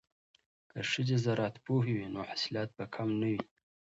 که ښځې زراعت پوهې وي نو حاصلات به کم نه وي.